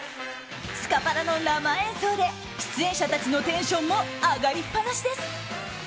スカパラの生演奏で出演者たちのテンションも上がりっぱなしです。